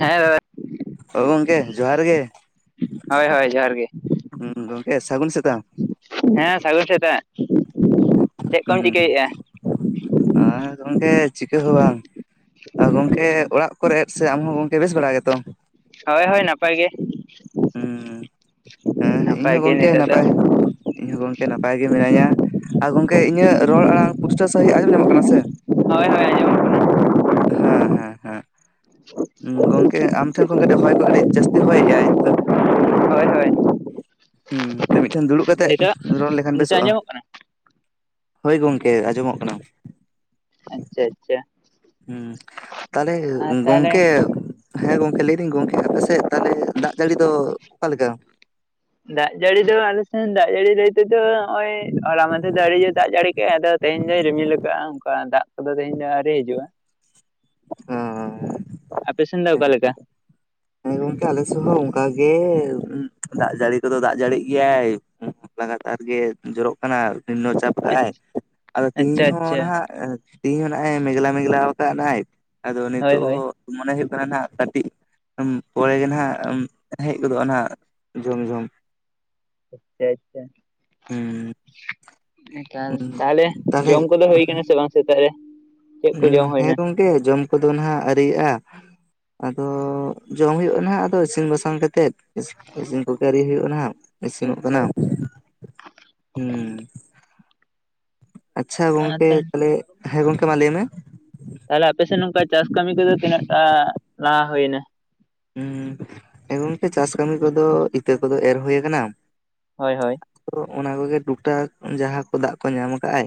ᱦᱮᱸ [inaudible] ᱚ ᱜᱚᱢᱠᱮ ᱡᱚᱦᱟᱨ ᱜᱮ ᱦᱳᱭ ᱦᱳᱭ ᱡᱚᱦᱟᱨ ᱜᱮ ᱦᱚᱸ ᱜᱚᱢᱠᱮ ᱥᱟᱹᱜᱩᱱ ᱥᱮᱛᱟᱜ ᱦᱮᱸ ᱥᱟᱹᱜᱩᱱ ᱥᱮᱛᱟᱜ ᱪᱮᱫ ᱠᱚᱢ ᱪᱤᱠᱟᱹᱭᱮᱫᱼᱟ ᱦᱩᱸ ᱟᱨ ᱜᱚᱝᱠᱮ ᱪᱤᱠᱟᱹ ᱦᱚᱸ ᱵᱟᱝ ᱟᱨ ᱜᱚᱢᱠᱮ ᱚᱲᱟᱜ ᱠᱚᱨᱮ ᱥᱮ ᱟᱢ ᱦᱚᱸ ᱜᱚᱝᱠᱮ ᱵᱮᱥ ᱵᱟᱲᱟ ᱜᱮᱛᱚ ᱦᱳᱭ ᱦᱳᱭ ᱱᱟᱯᱟᱭ ᱜᱮ ᱦᱩᱸ ᱦᱮᱸ ᱤᱧ ᱱᱟᱯᱟᱭ ᱦᱚᱸ ᱜᱮ ᱜᱚᱢᱠᱮ ᱱᱤᱛᱚᱜ ᱫᱚ ᱱᱟᱯᱟᱭ ᱤᱧ ᱦᱚᱸ ᱜᱚᱢᱠᱮ ᱱᱟᱯᱟᱭ ᱜᱮ ᱢᱤᱱᱟᱧᱟ ᱟᱨ ᱜᱚᱝᱠᱮ ᱤᱧᱟᱹᱜ ᱨᱚᱲ ᱟᱲᱟᱝ ᱯᱩᱥᱴᱟᱹᱣ ᱥᱟᱺᱦᱤᱡ ᱟᱸᱡᱚᱢ ᱧᱟᱢᱚᱜ ᱠᱟᱱᱟ ᱥᱮ ᱦᱳᱭ ᱦᱳᱭ ᱟᱸᱡᱚᱢᱚᱜ ᱠᱟᱱᱟ ᱦᱮᱸ ᱦᱮᱸ ᱦᱮᱸ ᱜᱚᱝᱠᱮ ᱟᱢ ᱴᱷᱮᱱ ᱠᱷᱚᱱ ᱠᱟᱹᱴᱤᱡ ᱦᱚᱭ ᱠᱚ ᱠᱟᱹᱴᱤᱡ ᱡᱟᱹᱥᱛᱤ ᱦᱚᱭᱮᱜ ᱟᱭ ᱦᱳᱭ ᱦᱳᱭ ᱦᱩᱸᱛᱚ ᱢᱤᱫᱴᱷᱮᱱ ᱫᱩᱲᱩᱵ ᱠᱟᱛᱮᱜ ᱱᱤᱛᱚᱜ ᱨᱚᱲ ᱞᱮᱠᱷᱟᱱ ᱱᱤᱛᱚᱜ ᱵᱮᱥᱚᱜᱼᱟ ᱟᱸᱡᱚᱢᱚᱜ ᱠᱟᱱᱟ ᱦᱳᱭ ᱜᱚᱝᱠᱮ ᱟᱸᱡᱚᱢᱚᱜ ᱠᱟᱱᱟ ᱟᱪᱪᱷᱟ ᱟᱪᱪᱷᱟ ᱦᱩᱸ ᱛᱟᱦᱚᱞᱮ ᱟᱨ ᱛᱟᱦᱚᱞᱮ ᱜᱚᱝᱠᱮ ᱦᱮᱸ ᱜᱚᱝᱠᱮ ᱞᱟᱹᱭᱫᱟᱹᱧ ᱜᱚᱝᱠᱮ ᱟᱯᱮᱥᱮᱜ ᱛᱟᱦᱚᱞᱮ ᱫᱟᱜ ᱡᱟᱹᱲᱤ ᱫᱚ ᱚᱠᱟᱞᱮᱠᱟ ᱫᱟᱜ ᱡᱟᱹᱲᱤ ᱫᱚ ᱟᱞᱮ ᱥᱮᱱ ᱫᱟᱜ ᱡᱟᱹᱲᱤ ᱞᱟᱹᱭ ᱛᱮ ᱫᱚ ᱱᱚᱜᱭ ᱦᱚᱞᱟᱜ ᱢᱟᱦᱫᱷᱮᱨ ᱟᱲᱤᱭᱮᱫᱟᱜ ᱡᱟᱹᱲᱤ ᱜᱚᱝᱠᱮ ᱟᱫᱚ ᱛᱮᱦᱮᱧ ᱫᱚᱭ ᱨᱤᱢᱤᱞ ᱟᱠᱟᱜᱼᱟ ᱚᱱᱠᱟ ᱫᱟᱜ ᱠᱚᱫᱚ ᱛᱮᱦᱮᱧ ᱫᱚ ᱟᱹᱣᱨᱤ ᱦᱤᱡᱩᱜᱼᱟ ᱦᱩᱸ [unintelligible] ᱟᱯᱮ ᱥᱮᱱ ᱫᱚ ᱚᱠᱟ ᱞᱮᱠᱟ ᱦᱮᱸ ᱜᱚᱝᱠᱮ ᱟᱞᱮ ᱥᱮᱫ ᱦᱚᱸ ᱚᱱᱠᱟᱜ ᱜᱮ ᱫᱟᱜ ᱡᱟᱹᱲᱤ ᱠᱚᱫᱚ ᱫᱟᱜ ᱡᱟᱹᱲᱤ ᱜᱮᱭᱟᱭ ᱞᱟᱜᱟᱛᱟᱨ ᱜᱮ ᱡᱚᱨᱚᱜ ᱠᱟᱱᱟ ᱱᱤᱱᱚ ᱪᱟᱯ ᱟᱭ ᱟᱫᱚ ᱛᱮᱦᱤᱧ ᱟᱪᱪᱷᱟ ᱦᱚᱸ ᱟᱪᱪᱷᱟ ᱱᱟᱦᱟᱜ ᱛᱮᱦᱤᱧ ᱱᱟᱦᱟᱸᱜ ᱮ ᱢᱮᱜᱞᱟ ᱢᱮᱜᱞᱟ ᱟᱠᱟᱫᱟᱭ ᱟᱫᱚ ᱦᱳᱭ ᱱᱤᱛᱚᱜ ᱦᱳᱭ ᱦᱚᱸ ᱢᱚᱱᱮ ᱦᱩᱭᱩᱜ ᱠᱟᱱᱟ ᱦᱟᱸᱜ ᱠᱟᱹᱴᱤᱡ ᱯᱚᱨᱮ ᱜᱮ ᱱᱟᱦᱟᱸᱜ ᱦᱮᱡ ᱜᱚᱫᱚᱜᱼᱟ ᱱᱟᱦᱟᱜ ᱡᱚᱢ ᱡᱚᱢ ᱟᱪᱪᱷᱟ ᱟᱪᱪᱷᱟ ᱦᱩᱸ ᱛᱟᱦᱚᱞᱮ ᱡᱚᱢ ᱠᱚᱫᱚ ᱦᱩᱭ ᱠᱟᱱᱟ ᱥᱮ ᱵᱟᱝ ᱥᱮᱛᱟᱜ ᱨᱮ ᱪᱮᱫ ᱠᱚ ᱡᱚᱢ ᱦᱮᱸ ᱦᱩᱭᱱᱟ ᱜᱚᱝᱠᱮ ᱡᱚᱢ ᱠᱚᱫᱚ ᱱᱟᱜ ᱟᱹᱣᱨᱤᱟᱜᱼᱟ ᱟᱫᱚ ᱡᱚᱢ ᱦᱩᱭᱩᱜᱼᱟ ᱦᱟᱸᱜ ᱟᱫᱚ ᱤᱥᱤᱱ ᱵᱟᱥᱟᱝ ᱠᱟᱛᱮᱫ ᱤᱥᱤᱱ ᱠᱚ ᱟᱹᱣᱨᱤ ᱦᱩᱭᱩᱜᱼᱟ ᱱᱟᱦᱟᱜ ᱤᱥᱤᱱᱚᱜ ᱟᱪᱪᱷᱟ ᱠᱟᱱᱟ ᱟᱪᱪᱷᱟ ᱩᱢ ᱟᱪᱪᱷᱟ ᱜᱚᱝᱠᱮ ᱛᱟᱦᱚᱞᱮ ᱦᱮᱸ ᱜᱚᱝᱠᱮ ᱢᱟ ᱞᱟᱹᱭ ᱢᱮ ᱛᱟᱦᱚᱞᱮ ᱟᱯᱮ ᱥᱮᱱ ᱱᱚᱝᱠᱟ ᱪᱟᱥ ᱠᱟᱹᱢᱤ ᱠᱚᱫᱚ ᱛᱤᱱᱟᱹᱜ ᱴᱟ ᱞᱟᱦᱟ ᱦᱩᱭ ᱮᱱᱟ ᱦᱮᱸ ᱜᱚᱝᱠᱮ ᱪᱟᱥ ᱠᱟᱹᱢᱤ ᱠᱚᱫᱚ ᱤᱛᱟᱹ ᱠᱚᱫᱚ ᱮᱨ ᱦᱩᱭ ᱟᱠᱟᱱᱟ ᱦᱳᱭ ᱦᱳᱭ ᱛᱚ ᱚᱱᱟ ᱠᱚᱜᱮ ᱴᱩᱠᱴᱟ ᱡᱟᱦᱟᱸ ᱠᱚ ᱫᱟᱜ ᱠᱚ ᱧᱟᱢ ᱠᱟᱜᱟᱭ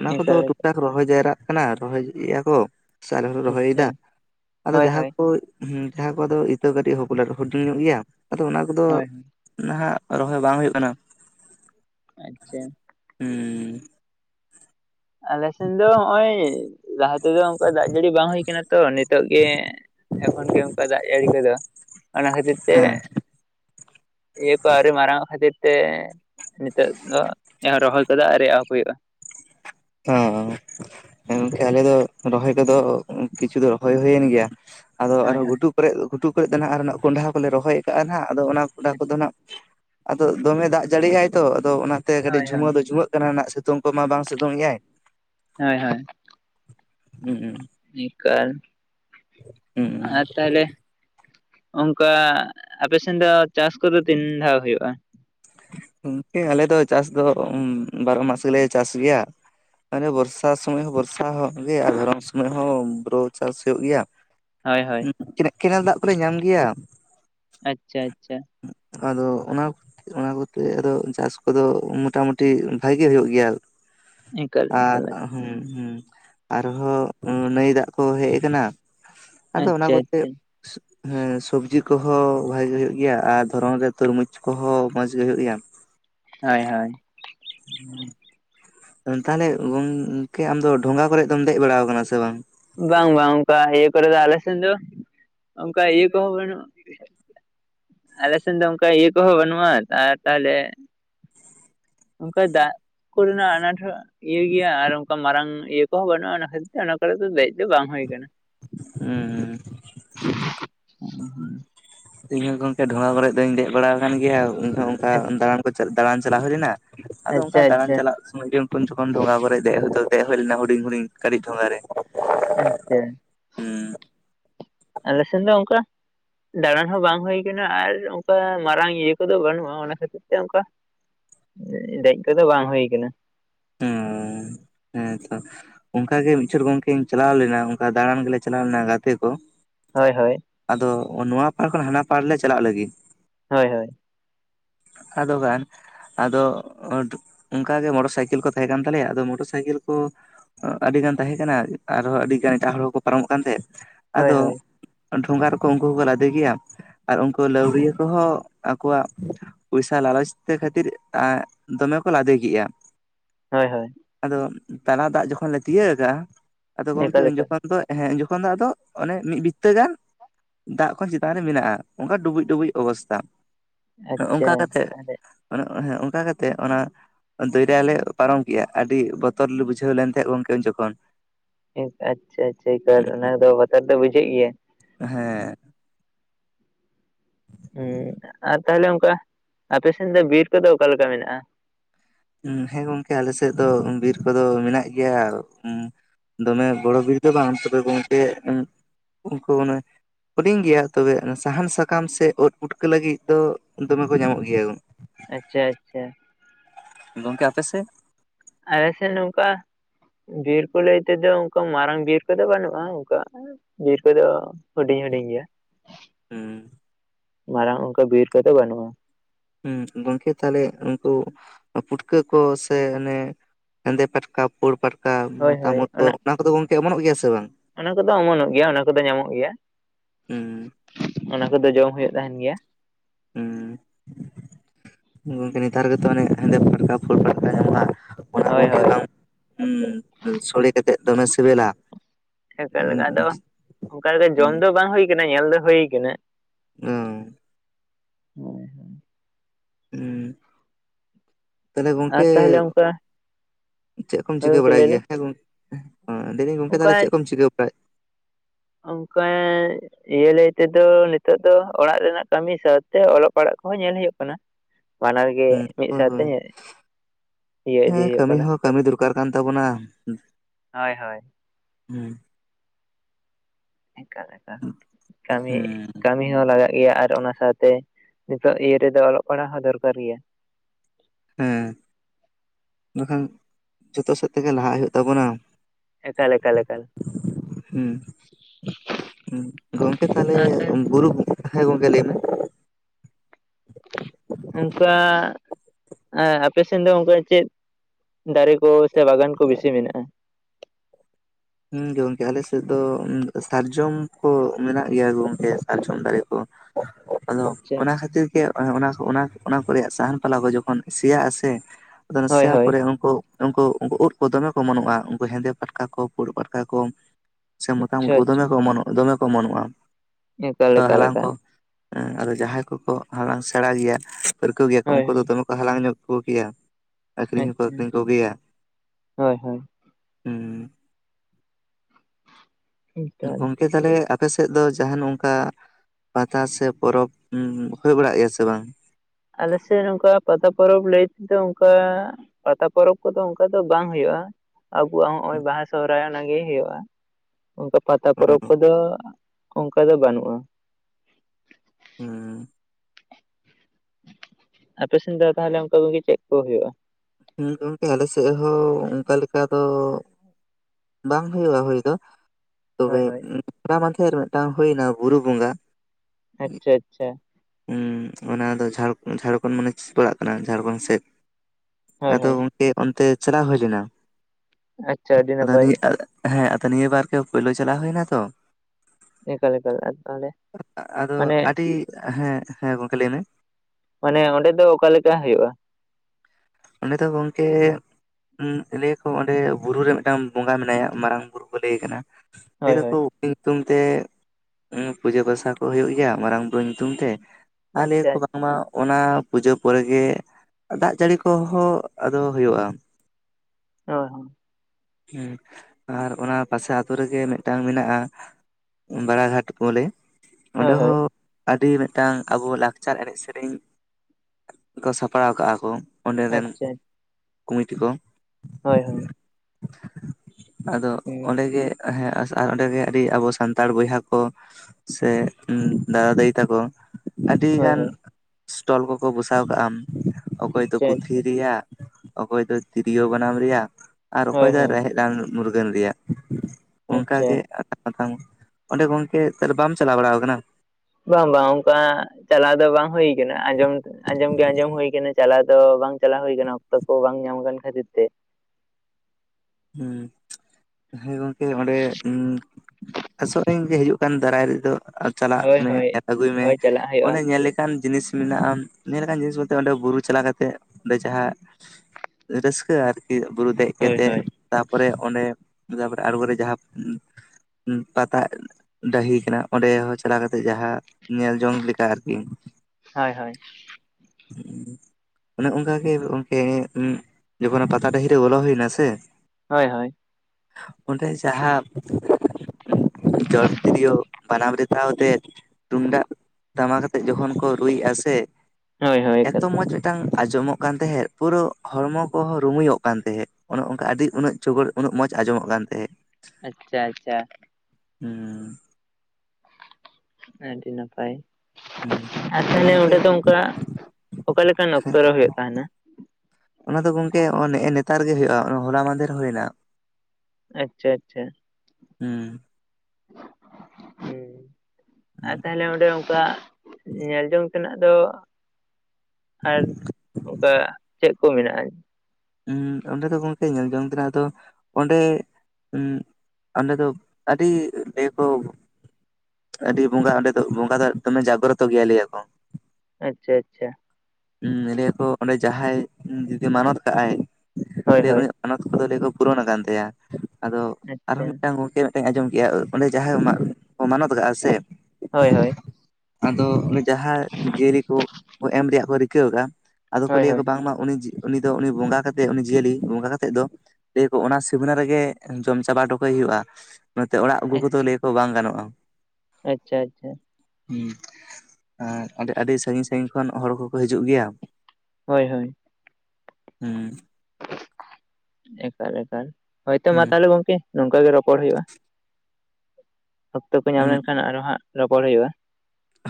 ᱚᱱᱟ ᱤᱱᱠᱟᱹ ᱠᱚᱫᱚ ᱞᱮᱠᱟ ᱴᱩᱠᱴᱟ ᱨᱚᱦᱚᱭ ᱡᱟᱣᱨᱟᱜ ᱠᱟᱱᱟ ᱨᱚᱦᱚᱭ ᱤᱫᱤᱭᱟ ᱠᱚ ᱥᱮ ᱟᱞᱮ ᱦᱚᱞᱮ ᱨᱚᱦᱚᱭ ᱟᱪᱪᱷᱟ ᱫᱟ ᱟᱫᱚ ᱦᱳᱭ ᱡᱟᱦᱟᱸ ᱦᱳᱭ ᱠᱚ ᱦᱩᱸ ᱡᱟᱦᱟᱸ ᱠᱚᱫᱚ ᱤᱛᱟᱹ ᱠᱟᱹᱴᱤᱡ ᱦᱩᱰᱤᱝ ᱧᱚᱜ ᱜᱮᱭᱟ ᱟᱫᱚ ᱚᱱᱟ ᱠᱚᱫᱚ ᱦᱳᱭ ᱱᱟᱦᱟᱸᱜ ᱨᱚᱦᱚᱭ ᱵᱟᱝ ᱦᱩᱭᱩᱜ ᱠᱟᱱᱟ ᱟᱪᱪᱷᱟ ᱦᱩᱸ ᱟᱞᱮ ᱥᱤᱱ ᱫᱚ ᱱᱚᱜᱼᱚᱭ ᱫᱟ ᱱᱤᱛᱚᱜ ᱫᱚ ᱚᱱᱠᱟ ᱫᱟᱜ ᱡᱟᱹᱲᱤ ᱵᱟᱝ ᱦᱩᱭ ᱠᱟᱱᱟ ᱛᱚ ᱱᱤᱛᱚᱜ ᱜᱮ ᱮᱠᱷᱚᱱ ᱜᱮ ᱚᱱᱠᱟ ᱫᱟᱜ ᱡᱟᱹᱲᱤ ᱠᱚᱫᱚ ᱚᱱᱟ ᱠᱷᱟᱹᱛᱤᱨ ᱛᱮ ᱦᱮᱸ ᱤᱭᱟᱹ ᱠᱚ ᱟᱹᱣᱨᱤ ᱢᱟᱨᱟᱝ ᱠᱷᱟᱹᱛᱤᱨ ᱛᱮ ᱱᱤᱛᱚᱜ ᱫᱚ ᱨᱚᱦᱚᱭ ᱠᱚᱫᱚ ᱟᱹᱣᱨᱤ ᱮᱦᱚᱵ ᱦᱩᱭᱩᱜᱼᱟ ᱚᱦ ᱜᱚᱝᱠᱮ ᱟᱞᱮ ᱫᱚ ᱨᱚᱦᱚᱭ ᱠᱚᱫᱚ ᱠᱤᱪᱷᱩ ᱫᱚ ᱨᱚᱦᱚᱭ ᱦᱩᱭᱮᱱ ᱜᱮᱭᱟ ᱟᱫᱚ ᱦᱳᱭ ᱟᱨᱦᱚᱸ ᱦᱳᱭ ᱜᱷᱩᱴᱩ ᱠᱚᱨᱮᱜ ᱜᱷᱩ ᱠᱚᱨᱮ ᱫᱚ ᱦᱟᱸᱜ ᱟᱨ ᱠᱚᱸᱰᱷᱟᱦ ᱠᱚᱞᱮ ᱨᱚᱦᱚᱭ ᱠᱟᱜᱼᱟ ᱦᱟᱸᱜ ᱟᱫᱚ ᱚᱱᱟ ᱠᱚᱸᱰᱷᱟᱦ ᱠᱚᱫᱚ ᱦᱟᱸᱜ ᱟᱫᱚ ᱫᱚᱢᱮ ᱫᱟᱜ ᱡᱟᱹᱲᱤᱭ ᱜᱟᱭ ᱛᱚ ᱟᱫᱚ ᱚᱱᱟ ᱛᱮ ᱦᱳᱭ ᱠᱟᱹᱴᱤᱡ ᱡᱷᱩᱢᱟᱹ ᱦᱳᱭ ᱫᱚ ᱡᱷᱩᱢᱟᱹᱜ ᱠᱟᱱᱟ ᱦᱟᱸᱜ ᱥᱤᱛᱩᱝ ᱠᱚᱢᱟ ᱵᱟᱝ ᱥᱤᱛᱩᱝ ᱜᱮᱭᱟᱭ ᱦᱳᱭ ᱦᱳᱭ ᱦᱩᱸ ᱦᱩᱸ [unintelligible] ᱱᱤᱠᱟᱨ [unintelligible] ᱦᱩᱸ ᱟᱨ ᱛᱟᱦᱚᱞᱮ ᱚᱱᱠᱟ ᱟᱯᱮᱥᱮᱱ ᱫᱚ ᱪᱟᱥ ᱠᱚᱫᱚ ᱛᱤᱱ ᱫᱷᱟᱣ ᱦᱩᱭᱩᱜᱼᱟ ᱜᱚᱝᱠᱮ ᱟᱞᱮ ᱫᱚ ᱪᱟᱥ ᱫᱚ ᱵᱟᱨᱚ ᱢᱟᱥ ᱜᱮᱞᱮ ᱪᱟᱥ ᱜᱮᱭᱟ ᱢᱟᱱᱮ ᱵᱚᱨᱥᱟ ᱥᱚᱢᱚᱭ ᱦᱚᱸ ᱵᱚᱨᱥᱟ ᱦᱚᱸ ᱜᱮ ᱟᱨ ᱜᱚᱨᱚᱢ ᱥᱚᱢᱚᱭ ᱦᱚᱸ ᱵᱩᱨᱳ ᱪᱟᱥ ᱦᱩᱭᱩᱜ ᱜᱮᱭᱟ ᱦᱳᱭ ᱦᱳᱭ ᱠᱮᱱᱮᱞ ᱫᱟᱜ ᱠᱚᱞᱮ ᱧᱟᱢ ᱜᱮᱭᱟ ᱾ ᱟᱪᱷᱟ ᱟᱪᱷᱟ ᱾ ᱟᱫᱚ ᱚᱱᱟ ᱚᱱᱟ ᱠᱚ ᱟᱫᱚ ᱪᱟᱥ ᱠᱚᱫᱚ ᱢᱚᱴᱟ ᱢᱩᱴᱤ ᱵᱷᱟᱜᱮ ᱜᱮ ᱦᱩᱭᱩᱜᱭ ᱜᱮᱭᱟ ᱮᱠᱟᱞ ᱟᱨ ᱮᱠᱟᱞ ᱦᱩᱸ ᱦᱩᱸ ᱟᱨᱦᱚᱸ ᱱᱟᱹᱭ ᱫᱟᱜ ᱠᱚ ᱦᱮᱡ ᱠᱟᱱᱟ ᱟᱫᱚ ᱚᱱᱟ ᱟᱪᱪᱷᱟ ᱠᱚᱛᱮ ᱟᱪᱪᱷᱟ ᱦᱮᱸ ᱥᱚᱵᱡᱤ ᱠᱚᱦᱚᱸ ᱵᱷᱟᱜᱤ ᱦᱩᱭᱩᱜ ᱜᱮᱭᱟ ᱟᱨ ᱫᱷᱚᱨᱚᱱ ᱨᱮ ᱛᱚᱨᱢᱩᱡᱽ ᱠᱚᱦᱚᱸ ᱢᱚᱡ ᱵᱩᱡᱟᱹ ᱦᱩᱭᱩᱜ ᱜᱮᱭᱟ [inaudible] ᱦᱳᱭ ᱦᱳᱭ ᱾ ᱦᱮᱸ [unintelligible] ᱛᱟᱦᱚᱞᱮ ᱜᱚᱝᱠᱮ ᱟᱢ ᱫᱚ ᱰᱷᱚᱸᱜᱟ ᱠᱚᱨᱮ ᱫᱚ ᱫᱮᱡ ᱵᱟᱲᱟ ᱟᱠᱟᱱᱟ ᱥᱮ ᱵᱟᱝ? ᱵᱟᱝ ᱵᱟᱝ ᱚᱱᱠᱟ ᱤᱭᱟᱹ ᱠᱚᱨᱮ ᱫᱚ ᱟᱞᱮ ᱥᱮᱫ ᱫᱚ ᱚᱱᱠᱟ ᱤᱭᱟᱹ ᱠᱚᱦᱚ ᱵᱟᱹᱱᱩᱜ-ᱟ ᱾ ᱟᱞᱮ ᱥᱮᱱ ᱫᱚ ᱚᱱᱠᱟ ᱤᱭᱟᱹ ᱠᱚᱦᱚᱸ ᱵᱟᱹᱱᱩᱜ-ᱟ ᱟᱨ ᱛᱟᱦᱚᱞᱮ ᱚᱱᱠᱟ ᱫᱟᱜ ᱠᱚᱱᱟ ᱟᱱᱟᱴ ᱦᱚ ᱤᱭᱟᱹ ᱜᱮᱭᱟ ᱟᱨ ᱚᱱᱠᱟ ᱢᱟᱨᱟᱝ ᱤᱭᱟᱹ ᱠᱚᱦᱚᱸ ᱵᱟᱹᱱᱩᱜ-ᱟ ᱚᱱᱟ ᱠᱷᱟᱹᱛᱤᱨ ᱛᱮ ᱚᱱᱟ ᱠᱚᱨᱮ ᱫᱚ ᱫᱮᱡ ᱫᱚ ᱵᱟᱝ ᱦᱩᱭ ᱟᱠᱟᱱᱟ ᱦᱮᱸ ᱦᱮᱸ ᱦᱮᱸ ᱦᱮᱸ [inaudible] ᱤᱧᱦᱚ ᱜᱚᱝᱠᱮ ᱰᱷᱚᱸᱜᱟ ᱠᱚᱨᱮ ᱫᱚᱧ ᱫᱮᱡ ᱵᱟᱲᱟ ᱟᱠᱟᱱ ᱜᱮᱭᱟ ᱤᱧ ᱦᱚᱸ ᱚᱱᱠᱟ ᱫᱟᱬᱟᱱ ᱠᱚ ᱫᱟᱬᱟᱱ ᱠᱚ ᱪᱟᱞᱟ ᱦᱩᱭ ᱞᱮᱱᱟ ᱟᱫᱚ ᱟᱪᱪᱷᱟ ᱚᱱᱠᱟ ᱫᱟᱬᱟᱱ ᱟᱪᱪᱷᱟ ᱪᱟᱞᱟᱜ ᱥᱚᱢᱚᱭ ᱜᱮ ᱩᱱ ᱡᱚᱠᱷᱚᱱ ᱰᱷᱚᱸᱜᱟ ᱠᱚᱨᱮ ᱫᱮᱡ ᱦᱚᱛᱚ ᱫᱮᱡ ᱦᱩᱭ ᱞᱮᱱᱟ ᱦᱩᱰᱤᱧ ᱦᱩᱰᱤᱧ ᱠᱟᱹᱴᱤᱡ ᱰᱷᱚᱸᱜᱟ ᱨᱮ ᱫᱮᱡ ᱜᱮ ᱦᱩᱸ ᱟᱞᱮ ᱥᱮᱱ ᱫᱚ ᱚᱱᱠᱟ ᱫᱟᱬᱟᱱ ᱦᱚᱸ ᱵᱟᱝ ᱦᱩᱭ ᱟᱠᱟᱱᱟ ᱟᱨ ᱚᱱᱠᱟ ᱢᱟᱨᱟᱝ ᱤᱭᱟᱹ ᱠᱚᱫᱚ ᱵᱟᱹᱱᱩᱜ-ᱟ ᱚᱱᱟ ᱠᱷᱟᱹᱛᱤᱨ ᱛᱮ ᱚᱱᱠᱟ ᱫᱮᱡ ᱠᱚᱫᱚ ᱵᱟᱝ ᱦᱩᱭ ᱠᱟᱱᱟ ᱚ ᱦᱮᱸᱛᱚ ᱚᱱᱠᱟ ᱜᱮ ᱢᱤᱫᱪᱚᱴᱷᱚᱴ ᱜᱚᱝᱠᱮᱧ ᱪᱟᱞᱟᱣ ᱞᱮᱱᱟ ᱚᱱᱠᱟ ᱫᱟᱬᱟᱱ ᱜᱮᱞᱮ ᱪᱟᱞᱟᱣ ᱞᱮᱱᱟ ᱜᱟᱛᱮ ᱠᱚ ᱦᱳᱭ ᱦᱳᱭ ᱟᱫᱚ ᱱᱚᱣᱟ ᱯᱟᱲ ᱠᱷᱚᱱ ᱦᱟᱱᱟ ᱯᱟᱦᱟᱲ ᱞᱮ ᱪᱟᱞᱟᱜ ᱞᱟᱹᱜᱤᱫ ᱦᱳᱭ ᱦᱳᱭ ᱟᱫᱚ ᱜᱟᱱ ᱟᱫᱚ ᱚᱱᱠᱟᱜ ᱜᱮ ᱢᱚᱴᱚᱨ ᱥᱟᱭᱠᱮᱞ ᱥᱟᱭᱠᱮᱞ ᱠᱚ ᱛᱟᱦᱮᱸ ᱠᱟᱱ ᱛᱟᱞᱮᱭᱟ ᱟᱫᱚ ᱢᱚᱴᱚᱨ ᱥᱟᱭᱠᱮᱞ ᱠᱚ ᱟᱹᱰᱤᱜᱟᱱ ᱛᱟᱦᱮᱸ ᱠᱟᱱᱟ ᱟᱨᱦᱚᱸ ᱟᱹᱰᱤᱜᱟᱱ ᱮᱴᱟᱜ ᱦᱚᱲ ᱦᱚᱸᱠᱚ ᱯᱟᱨᱚᱢᱚᱜ ᱠᱟᱱ ᱛᱟᱦᱮᱸᱜ ᱦᱳᱭ ᱟᱫᱚ ᱦᱳᱭ ᱰᱷᱚᱸᱜᱟ ᱨᱮᱠᱚ ᱩᱱᱠᱩᱠᱚ ᱦᱚ ᱞᱟᱫᱮ ᱜᱮᱭᱟ ᱟᱨ ᱩᱱᱠᱩ ᱞᱟᱹᱣᱲᱤᱭᱟᱹ ᱠᱚᱦᱚᱸ ᱟᱠᱚᱣᱟᱜ ᱯᱚᱭᱥᱟ ᱞᱟᱞᱚᱪ ᱛᱮ ᱠᱷᱟᱹᱛᱤᱨ ᱫᱚᱢᱮ ᱠᱚ ᱞᱟᱫᱮ ᱠᱮᱜ-ᱟ ᱾ ᱦᱳᱭ ᱦᱳᱭ ᱟᱫᱚ ᱛᱟᱞᱟ ᱫᱟᱜ ᱡᱚᱠᱷᱚᱱ ᱞᱮ ᱛᱤᱭᱟᱹᱜ ᱠᱟᱜ-ᱟ ᱟᱫᱚ ᱜᱚᱝᱠᱮ ᱮᱠᱟᱞ ᱩᱱ ᱮᱠᱟᱞ ᱡᱚᱠᱷᱚᱱ ᱫᱚ ᱦᱮᱸ ᱡᱚᱠᱷᱚᱱ ᱫᱚ ᱟᱫᱚ ᱚᱱᱮ ᱢᱤᱫ ᱵᱤᱛᱛᱟᱹ ᱜᱟᱱ ᱫᱟᱜ ᱠᱷᱚᱱ ᱪᱮᱛᱟᱱ ᱨᱮ ᱢᱮᱱᱟᱜ-ᱟ ᱚᱱᱠᱟ ᱰᱩᱵᱩᱡ ᱰᱩᱵᱩᱡ ᱚᱵᱚᱥᱛᱷᱟ ᱾ ᱟᱪᱪᱷᱟ ᱚᱱᱠᱟ ᱠᱟᱛᱮ ᱛᱟᱦᱚᱞᱮ ᱦᱮᱸ ᱚᱱᱠᱟ ᱠᱟᱛᱮ ᱚᱱᱟ ᱫᱚᱨᱭᱟ ᱨᱮᱟᱞᱮ ᱯᱟᱨᱚᱢ ᱠᱮᱜ-ᱟ ᱟᱹᱰᱤ ᱵᱚᱛᱚᱨ ᱞᱮ ᱵᱩᱡᱷᱟᱹᱣ ᱞᱮᱱ ᱛᱟᱦᱮᱸᱫ ᱜᱚᱢᱠᱮ ᱩᱱ ᱡᱚᱠᱷᱚᱱ ᱟᱪᱷᱟ ᱟᱪᱷᱟ ᱟᱪᱷᱟ ᱮᱠᱟᱞ ᱚᱱᱟ ᱫᱚ ᱵᱚᱛᱚᱨ ᱫᱚ ᱵᱩᱡᱷᱟᱹᱜ ᱜᱮᱭᱟ ᱦᱮᱸ ᱦᱩᱸ ᱟᱨ ᱛᱟᱦᱚᱞᱮ ᱚᱱᱠᱟ ᱟᱯᱮ ᱥᱮᱫ ᱫᱚ ᱵᱤᱨ ᱠᱚᱫᱚ ᱚᱠᱟᱞᱮᱠᱟ ᱢᱮᱱᱟᱜ-ᱟ ᱾ ᱦᱮᱸ ᱜᱚᱝᱠᱮ ᱟᱞᱮ ᱥᱮᱫ ᱫᱚ ᱵᱤᱨ ᱠᱚᱫᱚ ᱢᱮᱱᱟᱜ ᱜᱮᱭᱟ ᱾ ᱫᱚᱢᱮ ᱵᱚᱲᱚ ᱵᱤᱨ ᱫᱚ ᱵᱟᱝ ᱜᱚᱝᱠᱮ ᱩᱱᱠᱩ ᱚᱱᱮ ᱦᱩᱰᱤᱧ ᱜᱮᱭᱟ ᱛᱚᱵᱮ ᱥᱟᱦᱟᱱ ᱥᱟᱠᱟᱢ ᱥᱮ ᱳᱫ ᱯᱩᱴᱠᱟᱹ ᱞᱟᱹᱜᱤᱫ ᱫᱚ ᱫᱚᱢᱮ ᱠᱚ ᱧᱟᱢᱚᱜ ᱜᱮᱭᱟ ᱟᱪᱷᱟ ᱟᱪᱷᱟ ᱾ ᱜᱚᱢᱠᱮ ᱟᱯᱮ ᱥᱮ ᱟᱞᱮ ᱥᱮᱫ ᱱᱚᱝᱠᱟ ᱵᱤᱨ ᱠᱚ ᱞᱟᱹᱭ ᱛᱮᱫᱚ ᱚᱱᱠᱟ ᱢᱟᱨᱟᱝ ᱵᱤᱨ ᱠᱚᱫᱚ ᱵᱟᱹᱱᱩᱜ-ᱟ ᱚᱱᱠᱟ ᱾ ᱵᱤᱨ ᱠᱚᱫᱚ ᱦᱩᱰᱤᱧ ᱦᱩᱰᱤᱧ ᱜᱮᱭᱟ ᱦᱮᱸ ᱢᱟᱨᱟᱝ ᱚᱱᱠᱟ ᱵᱤᱨ ᱠᱚᱫᱚ ᱵᱟᱹᱱᱩᱜ-ᱟ᱾ ᱦᱮᱸ ᱜᱚᱢᱠᱮ ᱛᱟᱦᱞᱮ ᱩᱱᱠᱩ ᱯᱩᱴᱠᱟᱹ ᱠᱚ ᱥᱮ ᱚᱱᱮ ᱦᱮᱸᱫᱮ ᱯᱟᱴᱠᱟ ᱯᱩᱲ ᱯᱟᱴᱠᱟ ᱦᱳᱭ ᱢᱚᱴᱟ ᱦᱳᱭ ᱳᱫ ᱠᱚ ᱚᱱᱟ ᱠᱚᱫᱚ ᱜᱚᱝᱠᱮ ᱚᱢᱚᱱᱚᱜ ᱜᱮᱭᱟ ᱥᱮ ᱵᱟᱝ ᱚᱱᱟ ᱠᱚᱫᱚ ᱚᱢᱚᱱᱚᱜ ᱜᱮᱭᱟ ᱚᱱᱟ ᱠᱚᱫᱚ ᱧᱟᱢᱚᱜ ᱜᱮᱭᱟ ᱦᱩᱸ ᱚᱱᱟ ᱠᱚᱫᱚ ᱡᱚᱢ ᱦᱩᱭᱩᱜ ᱛᱟᱦᱮᱱ ᱜᱮᱭᱟ ᱦᱩᱸ ᱜᱚᱝᱠᱮ ᱱᱮᱛᱟᱨ ᱜᱮᱛᱚ ᱚᱱᱮ ᱦᱮᱸᱫᱮ ᱯᱷᱟᱨᱠᱟ ᱯᱷᱩᱞ ᱯᱷᱟᱨᱠᱟ ᱧᱟᱢᱚᱜ-ᱟ ᱚᱱᱟ ᱦᱳᱭ ᱜᱚᱝᱠᱮ ᱦᱳᱭ ᱵᱟᱝ ᱥᱚᱲᱮ ᱠᱟᱛᱮᱜ ᱫᱚᱢᱮ ᱥᱤᱵᱤᱞᱟ ᱦᱮᱥᱮ ᱮᱠᱟᱭ ᱫᱚ ᱚᱱᱠᱟ ᱞᱮ ᱡᱚᱢ ᱫᱚ ᱵᱟᱝ ᱦᱩᱭ ᱠᱟᱱᱟ ᱧᱮᱞ ᱫᱚ ᱦᱩᱭ ᱠᱟᱱᱟ ᱚᱻ ᱦᱳᱭ ᱦᱮᱸ ᱛᱟᱦᱞᱮ ᱟᱨ ᱜᱚᱝᱠᱮ ᱛᱟᱦᱚᱞᱮ ᱚᱱᱠᱟ ᱪᱮᱫ ᱠᱚᱢ ᱦᱳᱭ ᱪᱤᱠᱟᱹ ᱜᱚᱝᱠᱮ ᱵᱟᱲᱟᱭ ᱞᱟᱹᱭ ᱜᱮᱭᱟ ᱵᱮᱱ ᱦᱮᱸ ᱞᱟᱹᱭᱫᱟᱹᱧ ᱜᱚᱝᱠᱮ ᱚᱱᱠᱟ ᱛᱟᱦᱚᱞᱮ ᱪᱮᱫ ᱠᱚᱢ ᱪᱤᱠᱟᱹ ᱵᱟᱲᱟᱭ ᱚᱱᱠᱟ ᱤᱭᱟᱹ ᱞᱟᱹᱭ ᱛᱮᱫᱚ ᱱᱤᱛᱚᱜ ᱫᱚ ᱚᱲᱟᱜ ᱨᱮᱱᱟᱜ ᱠᱟᱹᱢᱤ ᱥᱟᱶᱛᱮ ᱚᱞᱚᱜ ᱯᱟᱲᱦᱟᱜ ᱠᱚᱦᱚᱸ ᱧᱮᱞ ᱦᱩᱭᱩᱜ ᱠᱟᱱᱟ ᱵᱟᱱᱟᱨ ᱜᱮ ᱦᱩᱸ ᱢᱤᱫ ᱦᱳᱭ ᱥᱟᱶᱛᱮ ᱦᱳᱭ ᱤᱭᱟᱹ ᱤᱫᱤ ᱦᱮᱸ ᱦᱩᱭᱩᱜ ᱠᱟᱹᱢᱤ ᱠᱟᱱᱟ ᱦᱚᱸ ᱠᱟᱹᱢᱤ ᱫᱚᱨᱠᱟᱨ ᱠᱟᱱ ᱛᱟᱵᱚᱱᱟ ᱦᱳᱭ ᱦᱳᱭ ᱦᱩ ᱮᱠᱟᱞ ᱮᱠᱟᱞ ᱠᱟᱹᱢᱤ ᱦᱩᱸ ᱠᱟᱹᱢᱤ ᱦᱚᱸ ᱞᱟᱜᱟᱜ ᱜᱮᱭᱟ ᱟᱨ ᱚᱱᱟ ᱥᱟᱶᱛᱮ ᱱᱤᱛᱚᱜ ᱤᱭᱟᱹ ᱨᱮᱫᱚ ᱚᱞᱚᱜ ᱯᱟᱲᱦᱟᱜ ᱦᱚᱸ ᱫᱚᱨᱠᱟᱨ ᱜᱮᱭᱟ ᱦᱮᱸ ᱵᱟᱠᱷᱟᱱ ᱡᱚᱛᱚ ᱥᱮᱫ ᱛᱮᱜᱮ ᱞᱟᱦᱟᱜ ᱦᱩᱭᱩᱜ ᱛᱟᱵᱚᱱᱟ ᱮᱠᱟᱞ ᱮᱠᱟᱞ ᱮᱠᱟᱞ ᱦᱮᱸ ᱜᱚᱝᱠᱮ ᱛᱟᱦᱞᱮ ᱟᱨ ᱜᱩᱨᱩ ᱦᱮᱸ ᱜᱚᱢᱠᱮ ᱞᱟᱹᱭ ᱢᱮ ᱚᱝᱠᱟ ᱟᱯ ᱥᱮᱱ ᱫᱚ ᱚᱱᱠᱟ ᱪᱮᱫ ᱫᱟᱨᱮ ᱠᱚ ᱥᱮ ᱵᱟᱜᱟᱱ ᱠᱚ ᱵᱤᱥᱤ ᱢᱮᱱᱟᱜᱼᱟ ᱦᱮᱸ ᱜᱚᱝᱠᱮ ᱟᱞᱮᱥᱮᱫ ᱫᱚ ᱥᱟᱨᱡᱚᱢ ᱠᱚ ᱢᱮᱱᱟᱜ ᱜᱮᱭᱟ ᱜᱚᱝᱠᱮ ᱥᱟᱨᱡᱚᱢ ᱫᱟᱨᱮ ᱠᱚ [unintelligible] ᱟᱫᱚ ᱟᱪᱪᱷᱟ ᱚᱱᱟ ᱠᱷᱟᱹᱛᱤᱨ ᱜᱮ ᱚᱱᱮ ᱚᱱᱟ ᱚᱱᱟ ᱠᱚᱨᱮ ᱥᱟᱦᱟᱱ ᱯᱟᱞᱟ ᱠᱚ ᱡᱚᱠᱷᱚᱱ ᱥᱮᱭᱟᱜ ᱟᱥᱮ ᱦᱳᱭ ᱥᱮᱭᱟ ᱦᱳᱭ ᱯᱚᱨᱮ ᱩᱱᱠᱩ ᱩᱱᱠᱩ ᱩᱱᱠᱩ ᱩᱫ ᱠᱚ ᱫᱚᱢᱮ ᱠᱚ ᱢᱟᱹᱱᱩᱜᱼᱟ ᱩᱱᱠᱩ ᱦᱮᱸᱫᱮ ᱯᱷᱟᱴᱠᱟ ᱠᱚ ᱯᱩᱲ ᱯᱟᱴᱠᱟ ᱠᱚ ᱥᱮ ᱢᱚᱛᱟᱢ ᱟᱪᱪᱷᱟ ᱩᱫ ᱫᱚᱢᱮ ᱟᱪᱪᱷᱟ ᱠᱚ ᱚᱢᱚᱱᱚᱜᱼᱟ ᱫᱚᱢᱮ ᱠᱚ ᱚᱢᱚᱱᱚᱜᱼᱟ ᱮᱠᱟᱞ ᱛ ᱮᱠᱟᱞ ᱦᱟᱞᱟᱝ ᱠᱚ ᱮᱠᱟᱞ ᱟᱫᱚ ᱡᱟᱦᱟᱸᱭ ᱠᱚᱠᱚ ᱦᱟᱞᱟᱝ ᱥᱮᱬᱟ ᱜᱮᱭᱟ ᱯᱟᱹᱨᱠᱟᱹᱣ ᱜᱮᱭᱟ ᱠᱚ ᱦᱳᱭ ᱩᱱᱠᱩ ᱫᱚ ᱦᱳᱭ ᱫᱚᱢᱮ ᱠᱚ ᱦᱟᱞᱟᱝᱧᱚᱜ ᱠᱚᱜᱮᱭᱟ ᱟᱹᱠᱷᱨᱤᱧ ᱦᱚᱸᱠᱚ ᱟᱪᱪᱷᱟ ᱟᱹᱠᱷᱨᱤᱧ ᱠᱚᱜᱮᱭᱟ ᱦᱳᱭ ᱦᱳᱭ ᱦᱩᱸ ᱮᱠᱟᱞ ᱜᱚᱝᱠᱮ ᱛᱟᱦᱞᱮ ᱟᱯᱮᱥᱮᱫ ᱫᱚ ᱡᱟᱦᱟᱱ ᱝᱠᱟ ᱯᱟᱛᱟ ᱥᱮ ᱯᱚᱨᱚᱵᱽ ᱦᱩᱭ ᱵᱟᱲᱟᱜ ᱜᱮᱭᱟ ᱥᱮ ᱵᱟᱝ ᱟᱞᱮᱥᱮᱫ ᱱᱚᱝᱠᱟ ᱯᱟᱛᱟ ᱯᱚᱨᱚᱵᱽ ᱞᱟᱹᱭ ᱛᱮᱫᱚ ᱚᱝᱠᱟ ᱯᱟᱛᱟ ᱯᱚᱨᱚᱵᱽ ᱠᱚᱫᱚ ᱚᱱᱠᱟ ᱫᱚ ᱵᱟᱝ ᱦᱩᱭᱩᱜᱼᱟ ᱟᱵᱚᱣᱟᱜ ᱦᱚᱸᱜ ᱚᱭ ᱵᱟᱦᱟ ᱥᱚᱦᱚᱨᱟᱭ ᱚᱱᱟᱜᱮ ᱦᱩᱭᱩᱜᱼᱟ ᱚᱱᱠᱟ ᱯᱟᱛᱟ ᱯᱚᱨᱚᱵᱽ ᱠᱚᱫᱚ ᱚᱱᱠᱟ ᱫᱚ ᱵᱟᱹᱱᱩᱜᱼᱟ ᱦᱩᱸ ᱟᱯᱮᱥᱱ ᱫᱚ ᱛᱟᱦᱚᱞᱮ ᱚᱱᱠᱟ ᱠᱚᱜᱮ ᱪᱮᱫ ᱠᱚ ᱦᱩᱭᱩᱜᱼᱟ ᱜᱚᱝᱠᱮ ᱟᱞᱮ ᱥᱮᱫ ᱦᱚᱸ ᱚᱱᱠᱟ ᱞᱮᱠᱟ ᱫᱚ ᱵᱟᱝ ᱦᱩᱭᱩᱜᱼᱟ ᱦᱩᱭ ᱫᱚ ᱛᱚᱵᱮ ᱦᱳᱭ ᱦᱳᱭ [unintelligible] ᱢᱟᱫᱷᱮᱨ ᱢᱤᱫᱴᱟᱝ ᱦᱩᱭᱳᱮᱱᱟ ᱵᱩᱨᱩ ᱵᱚᱸᱜᱟ ᱟᱪᱪᱷᱟ ᱟᱪᱪᱷᱟ ᱚᱱᱟ ᱫᱚ ᱡᱷᱟᱲᱠᱷᱚᱸᱰ ᱡᱷᱟᱲᱠᱷᱚᱸᱰ ᱢᱟᱱᱮ ᱯᱟᱲᱟᱜ ᱠᱟᱱᱟ ᱡᱷᱟᱲᱠᱷᱚᱱᱰ ᱥᱮᱫ ᱦᱳᱭ ᱟᱫᱚ ᱦᱳᱭ ᱚᱱᱛᱮ ᱪᱟᱞᱟᱣ ᱦᱩᱭ ᱞᱮᱱᱟ ᱟᱪᱪᱷᱟ ᱟᱹᱰᱤ ᱟᱫᱚᱼᱼ ᱱᱟᱯᱟᱭ ᱦᱮᱸ ᱟᱫᱚ ᱱᱤᱭᱟᱹ ᱵᱟᱨᱠᱮ ᱯᱳᱭᱞᱳ ᱪᱟᱞᱟᱣ ᱦᱩᱭᱱᱟ ᱛᱚ ᱮᱠᱟᱞ ᱮᱠᱟᱞ, ᱢᱟᱱᱮ ᱟᱫᱚ ᱟᱹᱰᱤ ᱦᱮᱸ ᱦᱮᱸ ᱜᱚᱝᱠᱮ ᱞᱟᱹᱭ ᱢᱮ ᱢᱟᱱᱮ ᱚᱸᱰᱮ ᱫᱚ ᱚᱠᱟᱞᱮᱠᱟ ᱦᱩᱭᱩᱜᱼᱟ? ᱚᱸᱰᱮ ᱫᱚ ᱜᱚᱝᱠᱮ ᱦᱸ ᱞᱟᱹᱭᱟᱠᱚ ᱚᱸᱰᱮ ᱵᱩᱨᱩ ᱨᱮ ᱢᱤᱫ ᱴᱟᱝ ᱵᱚᱸᱜᱟ ᱢᱮᱱᱟᱭᱟ ᱾ ᱢᱟᱨᱟᱝ ᱵᱩᱨᱩ ᱠᱚ ᱞᱟᱹᱭ ᱠᱟᱱᱟ ᱞᱟᱹᱭ ᱦᱳᱭ ᱠᱟᱱᱟ ᱦᱳᱭ ᱾ ᱧᱩᱛᱩᱢ ᱛᱮ ᱯᱩᱡᱟᱹ ᱯᱟᱥᱟ ᱠᱚ ᱦᱩᱭᱩᱜ ᱜᱮᱭᱟ, ᱢᱟᱨᱟᱝ ᱵᱩᱨᱩ ᱧᱩᱛᱩᱢ ᱛᱮ ᱾ ᱟ ᱞᱮ ᱟᱪᱪᱷᱟ ᱟᱠᱚ ᱵᱟᱝᱢᱟ, ᱚᱱᱟ ᱯᱩᱡᱟᱹ ᱯᱚᱨᱮᱜᱮ, ᱫᱟᱜ ᱡᱟᱹᱲᱤ ᱠᱚ ᱠᱚᱦᱚ ᱟᱫᱚ ᱦᱩᱭᱩᱜ-ᱟ ᱾ [unintelligible] ᱦᱮᱸ ᱟᱨ ᱚᱱᱟ ᱯᱟᱥᱮ ᱟ ᱟᱹᱛᱩᱳ ᱨᱮᱜᱮ ᱢᱤᱫᱴᱟᱝ ᱢᱮᱱᱟᱜᱼᱟ ᱾ ᱵᱟᱲᱟ ᱜᱷᱟᱴ ᱵᱚᱞᱮ, ᱚᱸᱰᱮ ᱦᱳᱭ ᱦᱳᱭ ᱦᱚᱸ ᱰᱟ ᱟᱹᱰᱤ ᱢᱤᱫᱴᱟᱝ ᱟᱵᱚ ᱞᱟᱠᱪᱟᱨ ᱮᱱᱮᱡ ᱥᱮᱨᱮᱧ ᱠᱚ ᱥᱟᱯᱲᱟᱣ ᱠᱟᱜᱼᱟ ᱠᱚ ᱾ ᱚᱸᱰᱮ ᱨᱮᱱ ᱟᱪᱪᱷᱟ ᱠᱚᱢᱤᱴᱤ ᱠᱚ ᱦᱳᱭ ᱦᱳᱭ ᱟᱫᱚ ᱚᱸᱰᱮ ᱜᱮ ᱦᱮᱸ ᱟᱨ ᱚᱸᱰᱮᱜᱮ ᱟᱹᱰᱤ ᱟᱵᱚ ᱥᱟᱸᱛᱟᱲ ᱵᱚᱭᱦᱟ ᱠᱚ, ᱥᱮ ᱫᱟᱫᱟ ᱫᱟᱹᱭᱤ ᱛᱟᱠᱚ᱾ ᱟᱹᱰᱤ ᱦᱳᱭ ᱜᱟᱱ ᱦᱳᱭ ᱥᱴᱚᱞ ᱠᱚᱠᱚ ᱵᱚᱥᱟᱣ ᱠᱟᱜᱼᱟ, ᱚᱠᱚᱭ ᱫᱚ ᱟᱪᱪᱷᱟ ᱯᱩᱛᱷᱤ ᱟᱪᱪᱷᱟ ᱨᱮᱭᱟᱜ ᱚᱠᱚᱭ ᱫᱚ ᱛᱤᱨᱭᱳ ᱵᱟᱱᱟᱢ ᱨᱮᱭᱟ, ᱟᱨ ᱚᱠᱚᱭ ᱦᱳᱭ ᱫᱚ ᱦᱳᱭ ᱨᱮᱦᱮᱫ ᱨᱟᱱ, ᱢᱩᱨᱜᱟᱹᱱ ᱨᱮᱭᱟᱜ ᱾ ᱚᱱᱠᱟ ᱟᱪᱪᱷᱟ ᱜᱮ ᱾ ᱚᱸᱰᱮ ᱜᱚᱝᱠᱮ ᱛᱟᱦᱚᱞᱮ ᱵᱟᱢ ᱪᱟᱞᱟᱣ ᱵᱟᱲᱟ ᱟᱠᱟᱱᱟ ᱾ ᱵᱟᱝ ᱵᱟᱝ ᱚᱱᱠᱟ ᱪᱟᱞᱟᱣ ᱫᱚ ᱵᱟᱝ ᱦᱩᱭ ᱠᱟᱱᱟ, ᱟᱸᱡᱚᱢ ᱟᱸᱡᱚᱢ ᱜᱮ ᱟᱸᱡᱚᱢ ᱦᱩᱭ ᱟᱠᱟᱱᱟ ᱪᱟᱞᱟᱣ ᱫᱚ ᱵᱟᱝ ᱪᱟᱞᱟᱣ ᱦᱩᱭ ᱠᱟᱱᱟ ᱚᱠᱛᱚ ᱠᱚ ᱵᱟᱝ ᱧᱟᱢ ᱠᱟᱱ ᱠᱷᱟᱹᱛᱤᱨ ᱛᱮ ᱾ ᱦᱩᱸᱻ ᱦᱮᱸ ᱜᱚᱝᱠᱮ ᱚᱸᱰᱮ ᱟᱥᱚᱜ ᱟᱹᱧ ᱜᱮ ᱦᱤᱡᱩᱜ ᱠᱟᱱ ᱫᱟᱨᱟᱭ ᱨᱮᱫᱚ ᱪᱟᱞᱟᱜ ᱦᱳᱭ ᱢᱮ ᱦᱳᱭ ᱧᱮᱞ ᱟᱹᱜᱩᱭ ᱢᱮ, ᱦᱳᱭ ᱪᱟᱞᱟᱜ ᱦᱩᱭᱩᱜᱼᱟ ᱚᱱᱮ ᱧᱮᱞ ᱞᱮᱠᱟ ᱞᱮᱠᱟᱱ ᱡᱤᱱᱤᱥ ᱢᱮᱱᱟᱜᱼᱟ, ᱱᱤᱭᱟᱹ ᱞᱮᱠᱟᱱ ᱡᱤᱱᱤᱥ ᱵᱚᱞᱛᱮ ᱚᱸᱰᱮ ᱵᱩᱨᱩ ᱪᱟᱞᱟᱣ ᱠᱟᱛᱮᱜ, ᱚᱸᱰᱮ ᱡᱟᱦᱟᱸ ᱨᱟᱹᱥᱠᱟᱹ ᱟᱨᱠᱤ ᱵᱩᱨᱩ ᱫᱮᱡ ᱦᱳᱭ ᱠᱟᱛᱮᱫ ᱦᱳᱭ ᱾ ᱛᱟᱨᱯᱚᱨᱮ ᱚᱱᱰᱮᱸ ᱛᱟᱨᱯᱚᱨᱮ ᱟᱬᱜᱚ ᱨᱮ ᱡᱟᱦᱟᱸ ᱯᱟᱛᱟ ᱰᱟᱹᱦᱤ ᱠᱟᱱᱟ ᱚᱸᱰᱮ ᱦᱚᱸ ᱪᱟᱞᱟᱣ ᱠᱟᱛᱮᱜ ᱡᱟᱦᱟᱸ ᱧᱮᱞ ᱡᱚᱝ ᱞᱮᱠᱟ, ᱟᱨᱠᱤ ᱦᱳᱭ ᱦᱳᱭ ᱦᱩᱸ ᱚᱱᱮ ᱚᱱᱠᱟ ᱜᱮ ᱜᱚᱝᱠᱮ ᱡᱚᱠᱷᱚᱱ ᱯᱟᱛᱟ ᱰᱟᱹᱦᱤ ᱨᱮ ᱵᱚᱞᱚ ᱦᱩᱭᱮᱱᱟ ᱥᱮ, ᱦᱳᱭ ᱦᱳᱭ ᱚᱸᱰᱮ ᱡᱟᱦᱟᱸ ᱡᱚᱲ ᱛᱤᱨᱭᱳ, ᱵᱟᱱᱟᱢ ᱨᱮᱛᱟᱣᱛᱮ, ᱛᱩᱢᱫᱟᱜ ᱴᱟᱢᱟᱠ ᱠᱟᱛᱮᱜ ᱡᱚᱠᱷᱚᱱ ᱠᱚ ᱨᱩᱭᱮᱜ-ᱟ ᱥᱮ᱾ ᱦᱳᱭ ᱦᱳᱭ ᱮᱛᱚ ᱮᱠᱟᱞ ᱢᱚᱸᱡᱽ ᱢᱤᱫᱴᱟᱝ ᱟᱸᱡᱚᱢᱚᱜ ᱠᱟᱱ ᱛᱟᱦᱮᱸᱫ ᱯᱩᱨᱟᱹ ᱦᱚᱲᱢᱚ ᱠᱚᱦᱚᱸ ᱨᱩᱢᱩᱭᱚᱜ ᱠᱟᱱ ᱛᱟᱦᱮᱸᱫ ᱾ ᱚᱱᱮ ᱚᱱᱠᱟ ᱟᱹᱰᱤ ᱩᱱᱟᱹᱜ ᱪᱚᱜᱚᱲ ᱩᱱᱟᱹᱜ ᱢᱚᱸᱡᱽ ᱟᱸᱡᱚᱢᱚᱜ ᱠᱟᱱ ᱛᱟᱦᱮᱸᱫ ᱾ ᱟᱪᱪᱷᱟ ᱟᱪᱪᱷᱟ ᱦᱩᱸ ᱟᱹᱰᱤ ᱱᱟᱯᱟᱭ, ᱦᱩᱸ ᱟᱨ ᱛᱟᱦᱚᱞᱮ ᱜᱚᱝᱠᱮ ᱚᱸᱰᱮ ᱫᱚ ᱚᱱᱠᱟ, ᱚᱠᱟ ᱞᱮᱠᱟᱱ ᱚᱠᱛᱚ ᱨᱮ ᱦᱩᱭᱩᱜ ᱛᱟᱦᱮᱸᱱᱟ ᱾ ᱚᱱᱟ ᱫᱚ ᱜᱚᱝᱠᱮ ᱱᱮᱜ ᱱᱮᱛᱟᱨ ᱜᱮ ᱦᱳᱭᱳᱜᱼᱟ ᱦᱚᱞᱟ ᱢᱟᱫᱮᱨ ᱦᱩᱭᱮᱱᱟ ᱾ ᱟᱪᱪᱷᱟ ᱟᱪᱪᱷᱟ ᱦᱩᱸᱻ ᱦᱮᱸ ᱟᱨ ᱛᱟᱦᱞᱮ ᱚᱸᱰᱮ ᱚᱱᱠᱟ ᱾ ᱧᱮᱞ ᱡᱚᱝ ᱛᱮᱱᱟᱜ ᱫᱚ, ᱟᱨ ᱚᱱᱠᱟ ᱪᱮᱫ ᱠᱚ ᱢᱮᱱᱟᱜᱼᱟ ᱾ ᱚᱸᱰᱮ ᱫᱚ ᱜᱚᱝᱠᱮ ᱧᱮᱞ ᱡᱚᱝ ᱛᱮᱱᱟᱜ ᱟᱫᱚ, ᱚᱸᱰᱮ ᱚᱸᱰᱮ ᱫᱚ ᱟᱹᱰᱤ ᱵᱮ ᱠᱚ ᱟᱹᱰᱤ ᱵᱚᱸᱜᱟ ᱚᱸᱰᱮ ᱫᱚ ᱵᱚᱸᱜᱟ ᱫᱚ ᱫᱚᱢᱮ ᱡᱟᱜᱽᱨᱚᱛᱚ ᱜᱮᱭᱟ ᱞᱟᱹᱭᱟ ᱠᱚ᱾ ᱟᱪᱪᱷᱟ ᱟᱪᱪᱷᱟ ᱞᱟᱹᱭᱟ ᱠᱚ ᱚᱸᱰᱮ ᱡᱟᱦᱟᱸᱭ ᱡᱩᱫᱤ ᱢᱟᱱᱚᱛ ᱠᱟᱜᱼ ᱟᱭ ᱦᱳᱭ ᱦᱳᱭ ᱩᱱᱤ ᱢᱟᱱᱚᱛ ᱠᱚᱫᱚ ᱞᱟᱹᱭᱟ ᱠᱚ ᱯᱩᱨᱚᱱ ᱟᱠᱟᱱ ᱛᱟᱭᱟ ᱟᱫᱚ ᱟᱪᱪᱷᱟ ᱟᱨᱦᱚᱸ ᱢᱤᱫᱴᱟᱝ ᱜᱚᱝᱠᱮ ᱟᱸᱡᱚᱢ ᱠᱮᱜᱼᱟ ᱚᱸᱰᱮ ᱡᱟᱦᱟᱸᱭ ᱠᱚ ᱢᱟᱱᱚᱛ ᱠᱟᱜᱼᱟ ᱥᱮ ᱦᱳᱭ ᱦᱳᱭ ᱟᱫᱚ ᱩᱱᱤ ᱡᱟᱦᱟᱸ ᱡᱤᱭᱟᱹᱞᱤ ᱠᱚ ᱮᱢ ᱨᱮᱭᱟᱜ ᱠᱚ ᱨᱤᱠᱟᱹ ᱟᱠᱟᱜᱼᱟ᱾ ᱟᱫᱚ ᱠᱚ ᱦᱳᱭ ᱞᱟᱹᱭᱟᱠᱚ ᱦᱳᱭ ᱵᱟᱝᱢᱟ ᱩᱱᱤ ᱫᱚ ᱩᱱᱤ ᱵᱚᱸᱜᱟ ᱠᱟᱛᱮᱫ ᱩᱱᱤ ᱡᱤᱭᱟᱹᱞᱤ ᱵᱚᱸᱜᱟ ᱠᱟᱛᱮᱫ ᱫᱚ ᱞᱟᱹᱭ ᱠᱚ ᱚᱱᱟ ᱥᱤᱵᱱᱟ ᱨᱮᱜᱮ ᱡᱚᱢ ᱪᱟᱵᱟ ᱦᱚᱴᱚ ᱠᱚᱭ ᱦᱩᱭᱩᱜᱼᱟ᱾ ᱱᱚᱛᱮ ᱚᱲᱟᱜ ᱟᱹᱜᱩ ᱠᱚᱫᱚ ᱞᱟᱹᱭ ᱟᱠᱚ ᱵᱟᱝ ᱜᱟᱱᱚᱜᱼᱟ᱾ ᱟᱪᱪᱷᱟ ᱟᱪᱪᱷᱟ ᱦᱮᱸ ᱟᱨ ᱟᱹᱰᱤ ᱟᱹᱰᱤ ᱥᱟᱹᱜᱤᱧ ᱥᱟᱹᱜᱤᱧ ᱠᱷᱚᱱ ᱦᱚᱲ ᱠᱚᱠᱚ ᱦᱤᱡᱩᱜ ᱜᱮᱭᱟ᱾ ᱦᱳᱭ ᱦᱳᱭ ᱦᱮᱸ ᱮᱠᱟᱞ ᱮᱠᱟᱞ, ᱦᱳᱭᱛᱚ ᱢᱟ ᱦᱩᱸ ᱛᱟᱦᱞᱮ ᱜᱚᱝᱠᱮ ᱱᱚᱝᱠᱟ ᱜᱮ ᱨᱚᱯᱚᱲ ᱦᱩᱭᱩᱜᱼᱟ᱾ [inaudible] ᱚᱠᱛᱚ ᱠᱚ ᱧᱟᱢ ᱦᱩᱸ ᱞᱮᱱᱠᱷᱟᱱ ᱟᱨᱚ ᱦᱟᱸᱜ ᱨᱚᱯᱚᱲ ᱦᱩᱭᱩᱜᱼᱟ᱾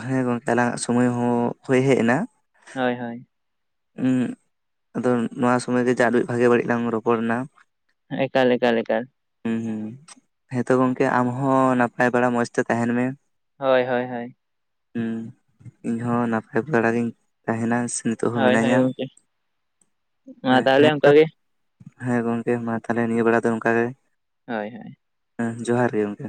ᱦᱮᱸ ᱜᱚᱝᱠᱮ ᱟᱞᱟᱝ ᱟᱜ ᱥᱩᱢᱟᱹᱭ ᱦᱚᱸ ᱦᱩᱭ ᱦᱮᱡ ᱮᱱᱟ᱾ ᱦᱳᱭ ᱦᱳᱭ ᱦᱩᱸ ᱟᱫᱚ ᱱᱚᱣᱟ ᱥᱚᱢᱚᱭ ᱜᱮ ᱡᱟᱜ ᱵᱷᱟᱜᱮ ᱵᱟᱹᱲᱤᱡ ᱞᱟᱝ ᱨᱚᱯᱚᱲ ᱮᱱᱟ᱾ ᱮᱠᱟᱞ ᱮᱠᱟᱞ ᱮᱠᱟᱞ ᱦᱩᱸ ᱛᱚ ᱜᱚᱝᱠᱮ ᱟᱢ ᱦᱚᱸ ᱱᱟᱯᱟᱭ ᱵᱟᱲᱟ ᱢᱚᱡᱽ ᱛᱮ ᱛᱟᱦᱮᱱ ᱢᱮ᱾ ᱦᱳᱭ ᱦᱳᱭ ᱦᱳᱭ ᱦᱩᱸ ᱤᱧ ᱦᱚᱸ ᱱᱟᱯᱟᱭ ᱵᱟᱲᱟᱜᱤᱧ ᱛᱟᱦᱮᱱᱟ᱾ ᱥᱮ ᱱᱤᱛ ᱦᱳᱭ ᱦᱳᱭ ᱢᱤᱱᱟᱹᱧᱟ ᱜᱚᱝᱠᱮ [inaudible] ᱢᱟ ᱛᱟᱦᱚᱞᱮ ᱦᱮᱸ ᱚᱱᱠᱟ ᱜᱮ ᱦᱮᱸ ᱜᱚᱝᱠᱮ ᱢᱟ ᱛᱟᱦᱞᱮ ᱱᱤᱭᱟᱹ ᱵᱮᱲᱟ ᱫᱚ ᱱᱚᱝᱠᱟᱜᱮ᱾ ᱦᱳᱭ ᱦᱳᱭ ᱦᱮᱸ ᱡᱚᱦᱟᱨ ᱜᱮ ᱜᱚᱢᱠᱮ᱾